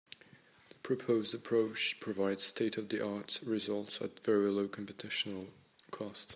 The proposed approach provides state-of-the-art results at very low computational cost.